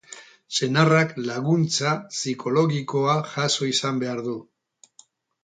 Senarrak laguntza psikologikoa jaso izan behar du.